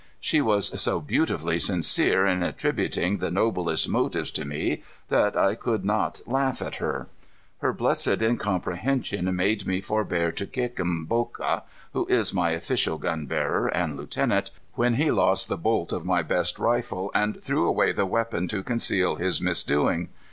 She was so beautifully sincere in attributing the noblest motives to me that I could not laugh at her. Her blessed incomprehension made me forbear to kick Mboka, who is my official gun bearer and lieutenant, when he lost the bolt of my best rifle and threw away the weapon to conceal his misdoing.